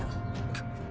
くっ。